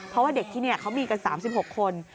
เพราะว่าเด็กที่นี่เขามีกัน๓๖คน